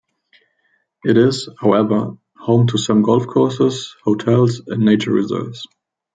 It is, however, home to some golf courses, hotels, and nature reserves.